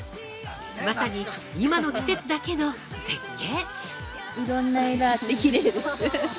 まさに今の季節だけの絶景。